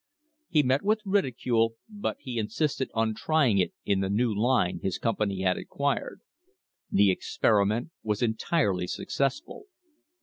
He met with ridicule, but he insisted on trying it in the new line his company had acquired. The experiment was entirely successful.